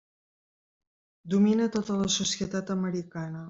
Domina tota la societat americana.